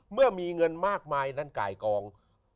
เมื่อมีเงินมากมายนั้นไก่กอง